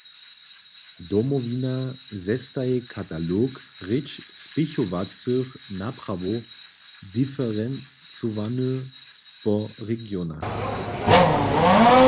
Domowina zestaji katalog rěč spěchowacych naprawow, diferencowany po regionach.